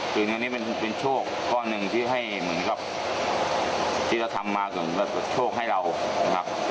คือเงินนี้เป็นโชคข้อนึงที่ให้ที่เราทำมาก็เป็นโชคให้เรา